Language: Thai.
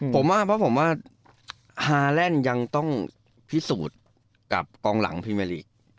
ผมว่าฮาแลนด์ยังต้องพิสูจน์กับกองหลังพรีเมอร์ลีก